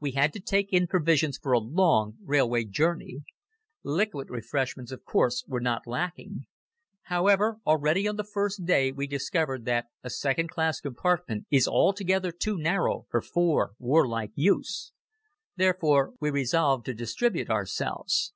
We had to take in provisions for a long railway journey. Liquid refreshments, of course, were not lacking. However, already on the first day we discovered that a second class compartment is altogether too narrow for four war like youths. Therefore, we resolved to distribute ourselves.